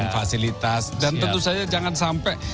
fasilitas dan tentu saja jangan sampai